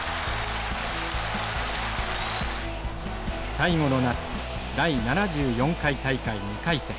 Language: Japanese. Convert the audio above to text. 最後の夏、第７４回大会２回戦。